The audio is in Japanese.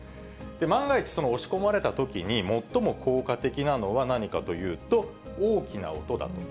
万が一、押し込まれたときに最も効果的なのは何かというと、大きな音だと。